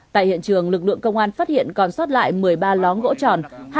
tại hiện trường lực lượng công an phát hiện còn xót lại một mươi ba lón gỗ tròn